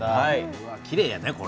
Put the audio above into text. うわっきれいやねこれ。